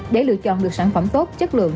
để lựa chọn được sản phẩm tốt chất lượng